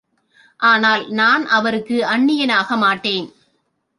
ஆனால் நான் அவருக்கு அன்னியன் ஆகமாட்டேன்.